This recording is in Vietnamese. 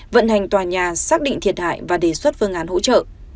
vận hành tòa nhà xác định thiệt hại và đề xuất phương án hỗ trợ